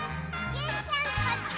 ちーちゃんこっち！